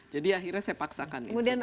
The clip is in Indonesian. jadi akhirnya saya paksakan kemudian